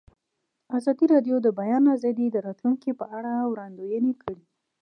ازادي راډیو د د بیان آزادي د راتلونکې په اړه وړاندوینې کړې.